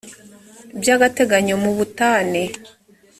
by agateganyo mo ubutane